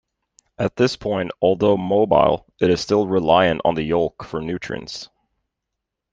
At this point although mobile, it is still reliant on the yolk for nutrients.